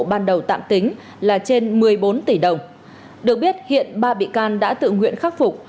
ban đầu tạm tính là trên một mươi bốn tỷ đồng được biết hiện ba bị can đã tự nguyện khắc phục